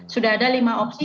sudah ada lima opsi